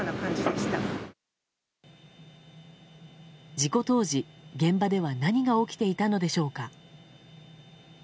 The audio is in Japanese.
事故当時、現場では何が起きていたのでしょうか。